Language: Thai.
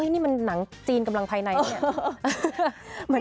นี่มันหนังจีนกำลังภายในนะเนี่ย